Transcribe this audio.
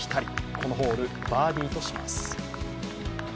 このホール、バーディーとします。